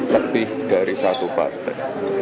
lebih dari satu partai